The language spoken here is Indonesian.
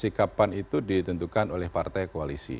sikapan itu ditentukan oleh partai koalisi